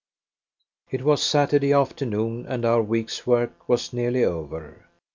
It was Saturday afternoon, and our week's work was nearly over.